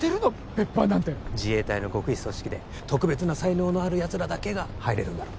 別班なんて自衛隊の極秘組織で特別な才能のあるやつらだけが入れるんだろ？